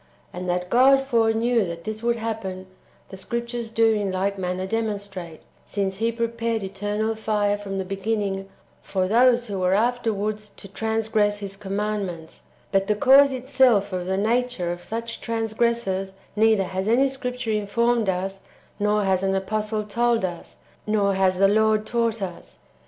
And that God foreknew that this w^ould happen, the Scriptures do in like manner demonstrate, since He pre pared eternal fire from the beginning for those who were [afterwards] to transgress [His commandments] ; but the cause itself of the nature of such transgressors neither has any Scripture informed us, nor has an apostle told us, nor has the Lord taught us.